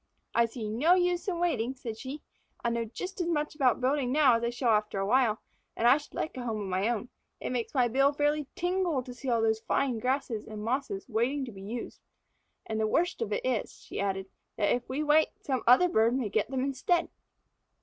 "I see no use in waiting," said she. "I know just as much about building now as I shall after a while, and I should like a home of my own. It makes my bill fairly tingle to see all these fine grasses and mosses waiting to be used. And the worst of it is," she added, "that if we wait, some other bird may get them instead."